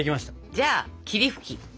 じゃあ霧吹き。